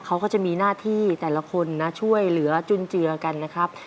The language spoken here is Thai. เขาก็จะมีหน้าที่แต่ละคนนะช่วยเหลือจุนเจือกันนะครับ